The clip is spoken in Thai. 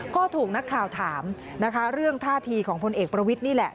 ก็ถูกนักข่าวถามนะคะเรื่องท่าทีของพลเอกประวิทย์นี่แหละ